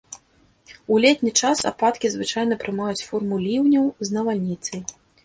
У летні час ападкі звычайна прымаюць форму ліўняў з навальніцай.